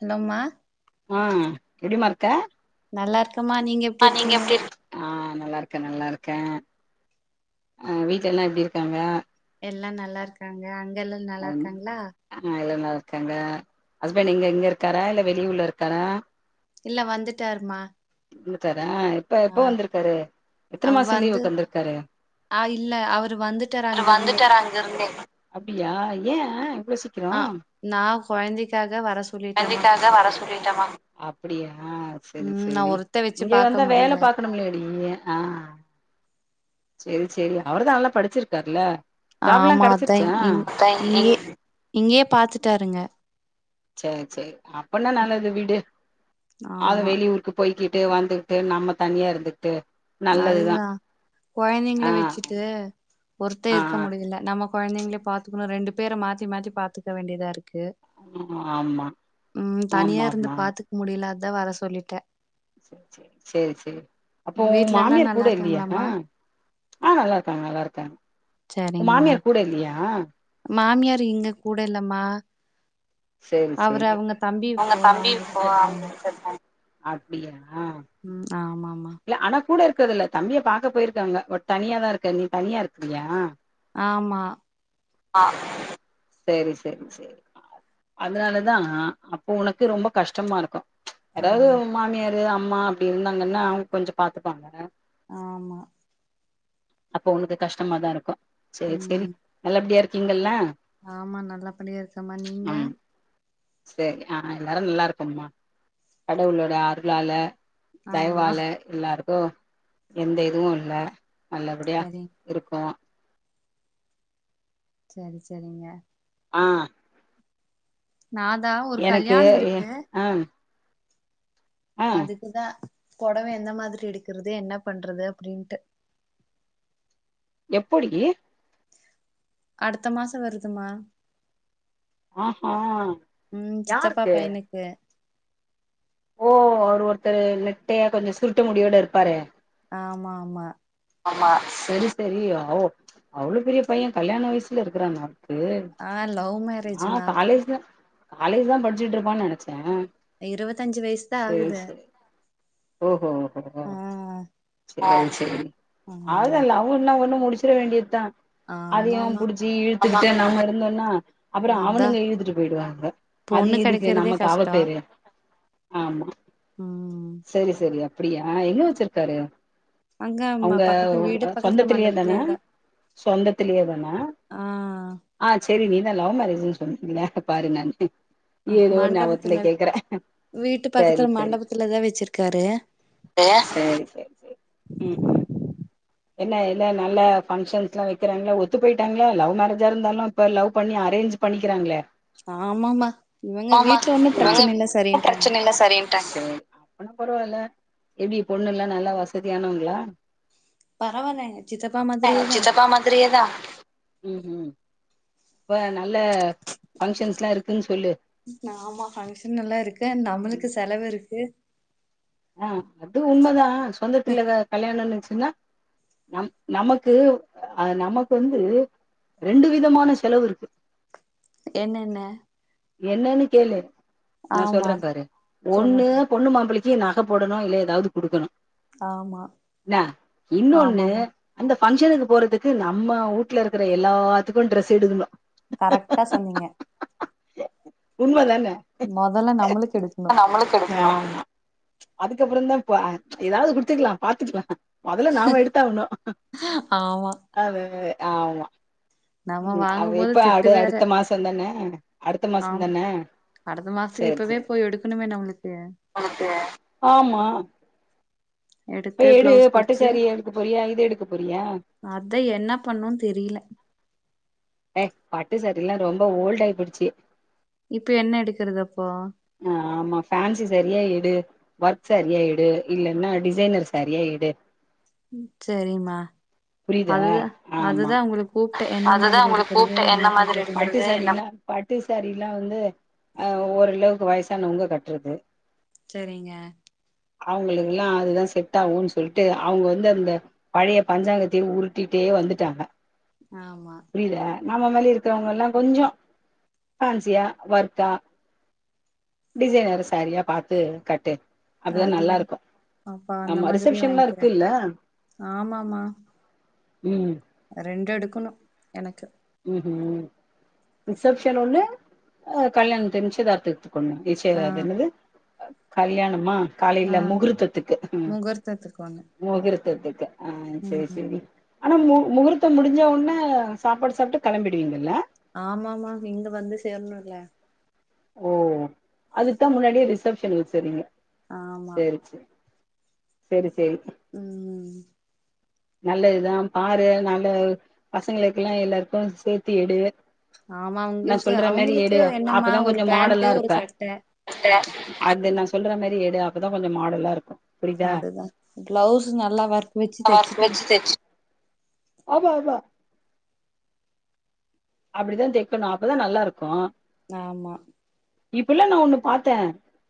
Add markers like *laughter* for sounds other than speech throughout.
ஹலோம்மா ஆஹ் எப்டிம்மா இருக்க நல்லா இருக்கமா நீங்க ஆ எப்படி இருக்கீங்க எப்டி இருக் ஆ நல்லா இருக்கே நல்லா இருக்கே ஆஹ வீட்லல்லாம் எப்டி இருக்காங்க எல்லாம் நல்லா இருக்காங்க அங் அங்கெல்லாம் ஆ நல்லா இருக்காங்களா எல்லா நல்லா இருக்காங்க ஹஸ்பண்ட் இங்க இங்க இருக்காரா இல்ல வெளியூர்ல இருக்காரா இல்ல வந்துட்டாருமா வந்துட்டார் ஹா எப்ப எப்ப ஆ வந்திருக்காரு எத்தன அவ மாச வந்து லீவுக்கு வந்திருக்காரு ஆ இல்ல அவரு வந்துட்டாரு அங்க இருந்தே வந்துட்டார் அங்கருந்தே அப்டியா ஏன் ஆஹ் நான் கொழந்தைக்காக வர சொல்லிட்டேமா அப்படியா ஆஹ் சரி ச ம் நா சரி ஒருத்த வச்சு இங்க பாக்க வந்தா வேல முடியல பாக்கணும்முல்லடி ஆஹ் செரி செரி அவருதா நல்லா படிச்சிருக்காருல ஆமா அத்தை இ எங்க இங்கயே இங்கயே பாத்துட்டாருங்க சேர் சேர் ஆ அப்பனா நல்லது விடு அது ஆமா வெளியூருக்கு போய்க்கி கிட்டு வந்துகிட்டு நம்ம தனியா இருந்துட்டு அதுதான் கொழந்தைங்கள ஆ வச்சுட்டு ஒருத்தே ஆ இருக்க முடியல நம கொழந்தைங்கள பாத்துக்கணும் ரெண்டு பேர மாத்தி மாத்தி பாத்துக்க வேண்டியதா இருக்கு ஆமா கு ம் தனியா இருந்து ஆமாமா பாத்துக்க முடில அதான் வர சொல்லிட்டே சரி சரி சேர் சேர் அப்போ வீட்ல எல்லா மாமியார் நல்லா கூட இல்லயா இருக்காங்களாமா ஆஹ் நல்லாருக்காங்க நல்லாருக்காங்க உன் சரிங்கம்மா மாமியார் கூட இல்லயா யா மாமியார் இங்க கூட இல்லமா சேரி சேரி அவங்க கிட்ட இருக்காங்க அப்டியா ம் ஆமாமா இல்ல ஆனா கூட இருக்கதல்ல தம்பிய பாக்க போயிருக்காங்க பட் தனியாதான் இருக்க நீ தனியா இருக்கியா ஆமா சரி சரி சரி அதனாலதான் அப்போ உனக்கு ரொம்ப கஷ்டமா இருக்கும் ச் எதாவது ஆமா ஒ மாமியாரு ரு அம்மா அப்டி இருந்தாங்கன்னா கொஞ்சம் பாத்துப்பாங்க ஆமா அப்போ உனக்கு கஷ்டமாதான் இருக்கும் சரி சரி ம் நல்லபடியா இருக் கீங்கள்ள ஆமா நல்ல படியா இருக்கமா நீங்க சரி ஆஹ் எல்லாரும் நல்லாருக்கம்மா கடவுளோட அருளால ஆமா தயவால எல்லாருக் கு எந்த இதுவும் இல்ல நல்லபடியா சரி இருக்கோம் செரி செரிங்க ஆஹ் நாதா ஒரு கல்யாணொ எ- இருக்கு ஆ ஆ அதுக்குதா புடவை எந்த மாதிரி எடுக்கறது என்ன பண்றது அப்படின்ட்டு எப்புடி அடுத்த மாசோ வருதுமா ஆ ஆஹ் உம் சித்தப்பா பையனுக்கு ஓ அவர் ஒருத்தர் நெட்டையா கொஞ்சோ சுருட்ட முடியோட இருப்பாரே ஆமாமா ஆமா சரி சரி ஓ அவ்ளோ பெரிய பையன் கல்யாண வயசுல இருக்கிறானா க்கு ஆ லவ் ஆஹ் மேரேஜ்மா காலேஜ்தா காலேஜ்தா படிச்சிட்டு இருப்பான்னு நெனைச்ச இருவத்தஞ்சு வயசுதா ஆகுது ஓஹோ *unintelligible* ஆ ஆஹ் செரி அதெல்லா ஆ லவ்னா ஒன்னு முடிச் முடிச்சிற வேண்டியதுதா அதையும் ஆமாமா புடிச்சு இழு கிட்ட நாம இருந்தோனா அப்புறோ அதா அவனுங்க இழுத்திட்டு போயிடுவாங்க அது பொண்ணு எதுக்கு கெடைக்கிறதே நமக்கு அவ கஷ்டோ பேரு ஆமா ம் செரி செரி அப்படியா எங்க வெச்சிருக்காரு அங்க ம அவுங்க பக்கத்து வீடு பக்கத்துல சொந்தத்திலயேதானா மண்டபத்துலேதா சொந்தத்திலயேதானா ஆ ஆ செரி நீ லவ் மேரேஜ்ன்னு சொன்னீங்க பாரு நன்றி அஹ மண்டபத்துல வீட்டு பக்கத்துல மண்டபத்துலதா வச்சிருக் *unintelligible* சரி சரி சரி ஹ்ம் ஹ்ம் என்ன என்ன நல்லா பங்க்ஷன்ஸ்ல்லா வெக்கிறாங்களா ஒத்து போயிட்டாங்களா லவ் மேரேஜா இருந்தாலு இப்ப லவ் பண்ணி அரேஞ்ச் பண்ணிக்கராங்களே ஆமாமா இவங்க வீட்ல ஒன்னு இவங்க பிரச்சனை இல்ல வீட்ல சரின்டாங்க பிரச்சன இல்ல சரின்ட்டாங்க அப்பனா பரவால்ல எப்டி பொண்ணு எல்லா நல்லா வசதியானவங்களா பரவால்லங்க சித்தப்பா மாதிரியேதா சித்தப்பா மாதிரியேதா உம் ம் இப்ப நல்ல ஃபங்க்ஷன்ஸ்ல்லா இருக்குன்னு சொல்லு ஆமா ஃபங்க்ஷனெல்லா இருக்கு நம்ளுக்கு செலவுருக்கு ஆஹ் அது உண்மதா சொந்தத்துல எதாது கல்யாணம்வச்சுக் ன்ன இல்ல நா நமக்கு நமக்கு வந்து ரெண்டு விதமான செலவு இருக்கு என்னென்ன என்னன்னு கேளு நா ஆமா சொல்றே பாரு ஒண்ணு சொல்லுங்க பொண்ணு மாப்பிள்ள இல்ல நக போடணு இல்ல ஏதாவது குடுக்கணு ஆமா இன்ன இன்னொன்னு ஆமாமா அந்த ஃபங்சனுக்கு போறதுக்கு நம்ம வூட்ல இருக்குற எல்லாத்துக்கு டிரஸ் எடுக்கணு கரெக்டா சொன்னீங்க உண்ம தாங்க மொதல்ல நம்மளுக்கு எடுக்கணு ஆமா நம்மளு எடுக்கணு அதுக்கப்பறந்தா ப ஏதாவது குடுத்துக்கலா பாத்துக்கலா மொதல்ல நாம எடுத்து தரணு ஆமா அது ஆமா நம்ம உம் அவ வாங்கும் போது இப்ப திட்டு அடு வேற அடுத்த மாச தான அடுத்த ஆமா மாசந்தான அடுத்த மாசத்துக்கு சரி இப்பவே சரி போய் எடுக்கணுமே நம்மளுக்கு அப்டியா ஆமா இப்ப எடுத்து எடு பிளவுஸ் பட்டு தச்சு சாரீ எடுக்க போறியா இது எடுக்க போறியா அத என்ன பண்ணு தெரியல ஏ பட்டு சாரில்லா ரொம்ப ஓல்ட் ஆயி போய்டுச்சு இப்ப என்ன எடுக்கறது அப்போ ஆமா ஃபேன்சிசாரியா எ டு வொர்க் சாரியா எடு இல்லன்னா டிசைனர் சாரியா எடு சரிமா புரியுதா அதுதா அதுதா உங்களுக் கூப்பிட்ட என்ன மாதிரி எடு பூட்டு என மாதிரி எடுக்குறது பட்டுச பட்டுசாரிலாம் ஆஹ் வந்து ஒ ளவுக்கு வயசானவங்க கட்டுறது சரிங்க அவங்களுக்குல்லா அதுதா செட் ஆகும்ன்னு சொல்லிட்டு அவங்க வந்து அந்த பழைய பஞ்சாங்கத்தயே உருட்டிட்டே வந்துட்டாங்க ஆமா புரியுதா நம்ம மேலே இருக்கறவங்கல்லா கொஞ்ச பான்சியா வர்க்கா டிசைனர சாரியா பா்த்து கட்டு அப்பதா நல்லா அதுதா இருக்கு அப்ப அந்த ஆமா மாதிரியே ரிசப்ஷன்லா வாங்கிக்கிறே இருக்குல்ல ஆமாம உம் ரெண்டு எடுக்கணு எனக் உம் உம் ரிசப்ஷன்கு ஒன்னு ஆஹ் கல்யாண நிச்சயதார்த்தத்திற்கு ஒன்னு ஆ ஈசியாதா என்னது கல்யாணமா ஆ காலையில முகூர்த்தத்துக்கு முகூர்த்தத்துக்கு ஒண்ணு முகூர்த் த்தத்துக்கு ஆஹ் சேர் ம் சேரி ஆனா மு முகூர்த்தம் முடிஞ்சவுன்னே சாப்பாடு சாப்ட்டு கெளம்பிடுவீங்கல்ல ஆமாமா இங்க வந்து சேர்ணுல ஓ அதுக்குதா முன்னாடியே ரிஸ் சப்ஷன் வச்சர்ரிங்க ஆமா செரி செரி உஹ்ம் நல்லதுதா பாரு நல்ல பசங்களுக்கெல்லா எல்லார்க்கு சேத்தி எடு ஆமா நா உங்குளுக்கு சொல்ற மாரி அவுங்களுக்கு எடு என்னமா அப்பதா ஒரு கொஞ்சோ மாடலா பேண்ட்டு ஒரு இருப்ப சட்ட அது நாசொல்ற மரி எடு அப்பதா கொஞ்சோ மாடலாருக்கோ அதுதா பளவ்ஸ் நல்லா வர்க் வெச்சு தெச்சுட்டா தெச் ஆமா ஆமா அப்டிதா தெக்கணு அப்பதா நல்லாயிர்க்கோ ஆமா இப்பல்லா நா ஒன்னு பாத்தே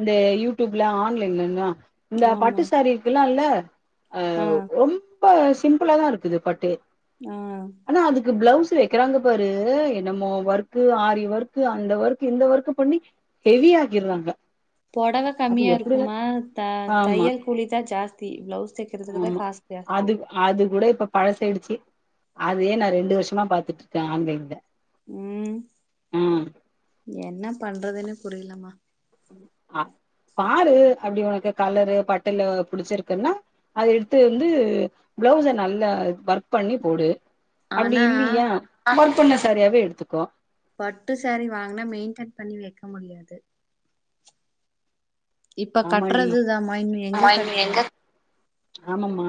இந்த யூடியூப்ல ஆன்லைன்லன் தா இந்த ஆமா பட்டு சேரீ இருக்குல்லா இல்ல ஆ அஹ் ரொம்ப ஸ் சிம்பளா தா இருக்குது பட்டு ஆ ஆனா அதுக்கு ப்ளவுஸ் தெக்றாங்க பாரு என்னமோ வர்க்கு ஆரி வர்க்கு அந்த வர்க்கு இந்த வர்க்கு பண்ணி ஹெவி ஆக்கிர்றாங்க பொடவ கம்மியா இருக்குமா த ஆமா தையல் கூலி தா ஜாஸ்தி பிளவுஸ் தெக்ரதுக்கு தா காஸ் ஜாஸ்தி பழசய்டுச்சு அதுயே நா ரெண்டு வருஷமா பாத்துட்ட கா இந்த ஆன்லைன்ல உம் ஆஹ் என்ன பண்றதுன்னு புரிலமா பா பாரு அப்டி உனக்கு கலரு பட்டுல புடிச்சிருக்குன்னா அது எடுத்து வந்து பிளவுஸ நல்லா வர்க் பண்ணி போடு அப்டி ஆனா இல்லியா பொண்ண சரியாவே எடுத்துக்கோ பட்டு சாரீ வாங்னா மெய்ன்டென் பண்ணி வெக்க முடியாது இப்ப ஆமான்டி கட்டுறதுதாமா இன்னு எங்க கட்டுவோ ஆமமா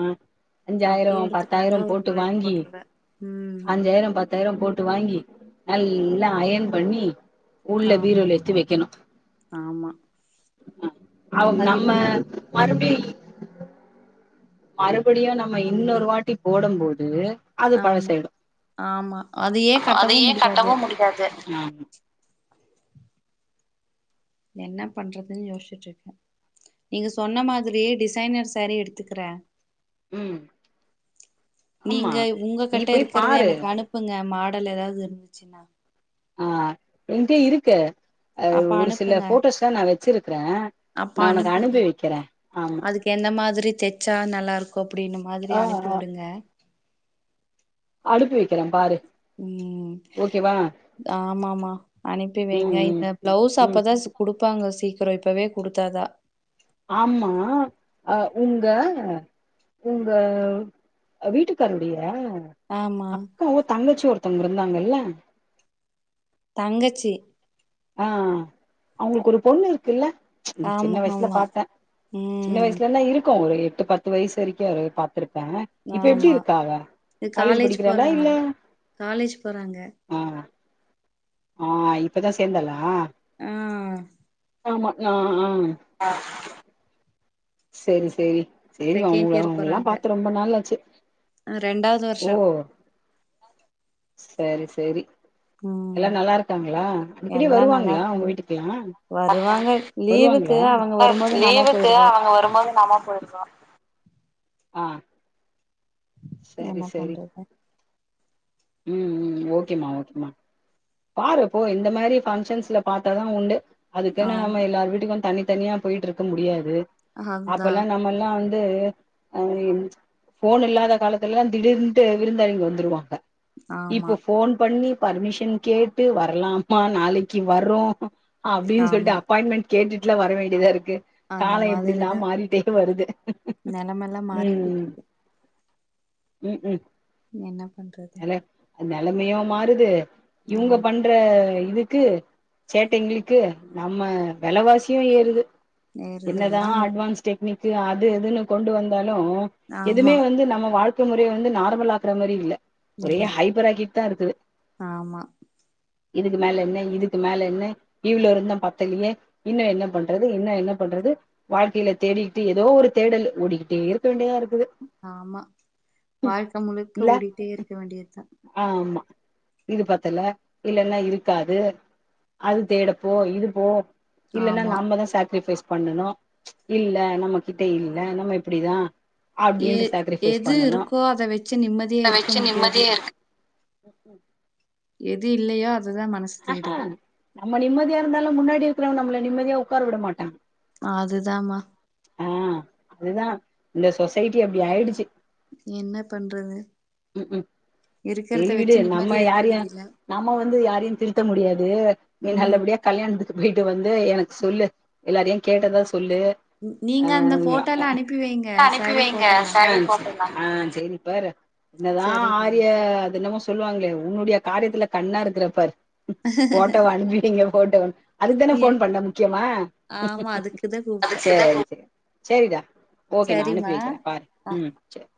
அஞ்சாய்ரோ அப்டியே எடுத்துட்டு வந்து பத்தாய்ரோ ஒரு போட்டு மூலையில வாங்கி போட்டுருவே ம் அஞ்சாய்ரோ பத்தாய்ரோ போட்டு வாங்கி நல்லா அயன் பண்ணி உள்ளே ஆமா பீரோல எத்து வெக்கனு ஆமா அவுங்க அது நம்ம இப் மறுபடி மறுபடியு நம்ம இன்னொரு வாட்டி போடும் போது அது ஆமா பழசாயிடு ஆமா அதையே கட்டவும் முடியாது உம் என்ன பண்றதுன்னு யோசிச்சுட்டு இருக்கே நீங்க சொன்ன மாரியே டிசைனர் சேரீ எடுத்துக்கற ம் ஆமா நீங்க உங்க நீ கிட்ட போய் இருக்கறத பாரு எனக்கு அனுப்புங்க மா உடல் ஏதாவது இருந்துச்சுன்னா ஆஹ் ஏன்கிட்ட இருக்கே அ அப்ப ஒரு சில அனுப்புங்க போட்டோஸ்லா நா வெச்சிருக்கற அப்ப நா உனக்கு அனுப்புங்க அனுப்பிவெக்கிறே ஆமா அதுக்கு எந்த மாதிரி தெச்சா நல்லா இருக்கூ கோப்டின்னு மாதிரி ஆ அனுப்பி ஆ விடுங்க அனுப்பி வெக் உம் ஆமா மா அனுப்பி ம் வெயிங்க ம் இந்த பிளவுஸ் ம் அப்பதா குடு தெப்பாங்க சீக்கிரம் இப்பவே குடுத்தா தா ஆமா அஹ உங்க உங்க வீட்டுக்காருடைய ஆமா க அக்காவோ தங்கச்சி ஒருத் ஒருத்தவங்க இருந்தாங்கல்ல தங்கச்சி ஆஹ் அவுங்களுக்கு ஒரு பொண்ணு இருக்குல்ல சின்ன ஆமா வயசுல ஆமா பாத்தே சின்ன ம் வயசுலனா இருக் ஒரு எட்டு பத்து வயசு வரைக்கோ ஒரு பா இருப்பே இப்ப எப்டி ஆமா இருக்க அவ இது காலேஜ் படிக்கிறாளா போறாங்க இல்ல காலேஜ் போறாங்க ஆ ஆ இப்பதா சேந்தாலா ஆ ஆமா நா ஆ சேரி சேரி சேரி செகண்ட் அவுங்க இயர் அவுங்களல்லா போறாங்க பாத்து ரொம்ப நாளாச்சு அ, ரெண்டாவது வருஷோ ஓ சேரி சேரி ம் எல்லா நல்லா இருக்காங்களா அடிக்கடி எல்லா நல்லா வருவாங்களா உங்க இருக்காங்க வீட்டுக்லா வருவாங்க லீவுக்கு வருவாங்களா அவங்க வரும்போது நாம போயிருவோ ஆஹ் என்ன பண்றது உம் உம் ஓகேமா ஓகேமா பாரு போ இந்த மாரி பங்க்ஷன்ஸ்ல பாத்தா தா உண்டு அதுக்கூன்னு நம்ம ஆமா எல்லார் வீட்டுக்கும் தனி தனியா போய்ட்ருக்க முடியாது அதுதா அப்பெல்லா நம்ம எல்லா வந்து து ஆநி இன் ச்ச ஃபோன் இல்லாத காலத்லா திடீர்ன்ட்டு விருந்தாளிங்க வந்துருவாங்க ஆமா இப்போ ஃபோன் பண்ணி பர்மிஷன் கேட்டு வர்லாமா நாளக்கி வற்றோ அப்டின் சொல்ட்டு ஆமா அப்பாயின்மெண்ட் கேட்டுட் ட்லே வரவேண்டிதா இருக் கு அந்த காலோ எப்டிலா மாதிரிதா மாறிட்டே வருது நெலமெல்லா மாறிட்டு ம் ம் ம் என்னப் பண்றது அ நெலமியு மாறுது இவுங்க ஆம் பண்றே இதுக்கு சேட்டே எங்ளுக்கு நம்மே வெலவாசியு ஏறுது நேருது என்னதா எல்லா மு அட்வான்ஸ் டெக்னி து அது இதுன்னு கொண்டு வந்தா இன்னோ எதுமே ஆமா வந்து நம்மே வாழ் து முறையு வந்து நார்மலா ஆக்ற மாரி இல்லே ஒரே இல்ல ஹைபர் ஆக்கிட் இத்தான் இருக்குது ஆமா இதுக்கு மேல என்ன இதுக்கு மேல என்ன இவ்ளோ இருந்தும் பத்தலையே இன்னும் என்ன பண்றது இன்னும் என்ன பண்றது வாழ்க்கையில தேடிக்கிட்டு ஏதோ ஒரு தேடலு ஓடிக்கிட்டே இருக்க வேண்டியதா இருக்கு ஆமா வாழ்க்க முழுக்க இல்ல ஓடிட்டே இருக்க வேண்டியதுதா ஆமா இது பத்தல இல்லென்னா இருக்காது அது தேடப்போ இது போ இல்லெனா ஆமா நம்மதான் சாக்ரிஃபைஸ் பண்ணணும் இல்ல நம்மகிட்ட இல்ல நம்ம இப்படிதான் ஏ எது இருக்கோ அத வச்சு நிம்மதியா அத இருக்க வச்சு முடியாது நிம்மதியா இருக்கு எது இல்லையா அது அதுதான் மனசு ஆஹா தேடுது நம்ம நிம்மதியா இருந்தாலும் முன்னாடி இருக்கிறவன் நம்மல நிம்மதியா உக்கார விடமாட்டான் அதுதாமா ஆ அதுதான் இந்த சொசைட்டி அப்படி ஆயிடுச்சி என்னபண்றது உம் கும் சரி விடு நம்ம நிம்மதியா இருக்க யாரையும் முடியல நம்ம வந்து யாரையும் திருத்த முடியாது நீ ம் நல்லபடியா கல்யாணதுக்கு போய்ட்டு வந்து எனக்கு சொல்லு எல்லாரையும் கேட்டதா சொ சொல்லு ந- நீங்க அந்த ஆஹ் ஃபோட்டோலாம் அனுப்பி வைங்க சாரீ ஃபோட்டோலாம் ஆஹ் சேரிப்பாரு என்னதான் சரிங்க ஆரிய அது என்னமோ சொல்லுவாங்களே உன்னுடைய காரியத்துல கண்ணா இருக்கிறப்பாரு போட்டோவ அனுப்பிவைங்க போட்டோனு அதுக்குதான ஏ போன் பண்ண முக்கியமா ஆமா அதுக்குதான் அ கூப்ட்டேன் சேரி சேரி சரிடா ஓகே நான் சரிம்மா அனுப்பி வக்கிறேன் பாரு ஆ ம் சேர்